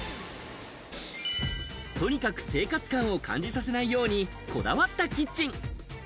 とにかく生活感を感じさせないようにこだわったキッチン。